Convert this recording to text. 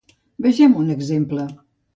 Vegem un exemple.